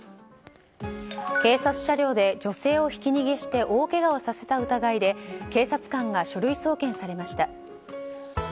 警察車両で女性をひき逃げして大けがをさせた疑いで警察官が書類送検されました。